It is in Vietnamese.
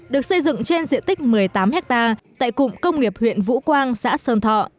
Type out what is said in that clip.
được xây dựng trên diện tích một mươi tám hectare tại cụng công nghiệp huyện vũ quang xã sơn thọ